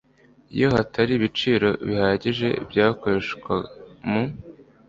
Iyo hatari ibiciro bihagije byakoreshwa mu